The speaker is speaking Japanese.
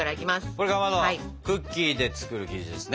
これかまどクッキーで作る生地ですね。